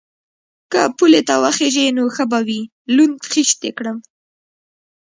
_که پولې ته وخېژې نو ښه به وي، لوند خيشت دې کړم.